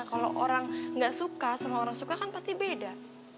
kalau orang nggak suka sama orang suka kan pasti beda